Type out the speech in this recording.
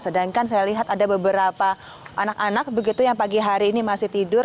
sedangkan saya lihat ada beberapa anak anak begitu yang pagi hari ini masih tidur